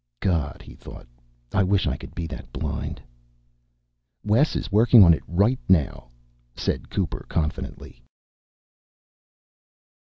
God, he thought, I wish I could be that blind! "Wes is working on it right now," said Cooper confidently.